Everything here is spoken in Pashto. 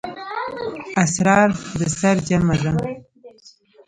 اسرار د سِر جمعه ده.